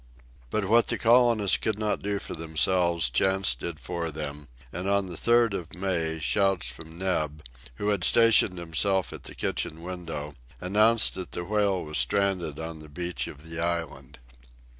But what the colonists could not do for themselves chance did for them, and on the 3rd of May shouts from Neb, who had stationed himself at the kitchen window, announced that the whale was stranded on the beach of the island.